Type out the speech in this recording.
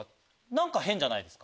何か変じゃないですか？